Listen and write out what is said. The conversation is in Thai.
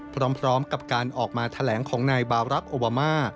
พร้อมกับการออกมาแถลงของนายบารักษ์โอบามา